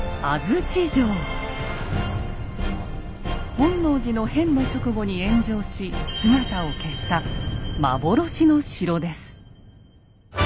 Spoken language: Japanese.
「本能寺の変」の直後に炎上し姿を消した幻の城です。